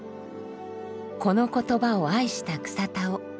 この言葉を愛した草田男。